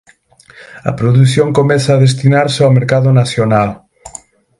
A produción comeza a destinarse ó mercado nacional.